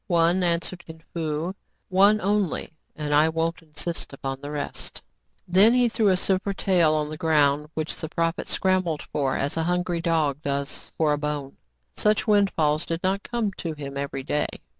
" One," answered Kin Fo, " one only, and I won't insist upon the rest." Then he threw a silver tael on the ground, which the prophet scrambled for as a hungry dog does for a bone. Such windfalls did not come to him every day.